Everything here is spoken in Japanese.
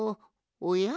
おや？